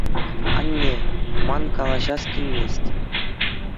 Анне, ман калаҫас килмест.